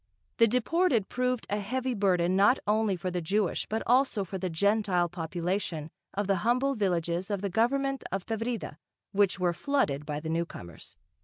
The deported proved a heavy burden not only for the Jewish but also for the Gentile population of the humble villages of the government of Tavrida, which were flooded by the newcomers.